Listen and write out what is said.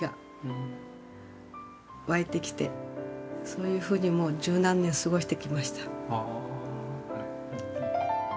そういうふうにもう十何年過ごしてきました。